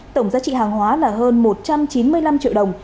tổng giá trị hàng hóa là hơn một trăm chín mươi năm triệu đồng